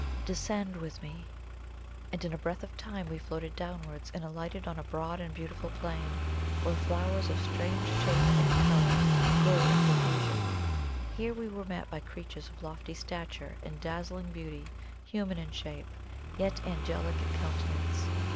Descend with me!" And in a breath of time we floated downwards and alighted on a broad and beautiful plain, where flowers of strange shape and colour grew in profusion. Here we were met by creatures of lofty stature and dazzling beauty, human in shape, yet angelic in countenance.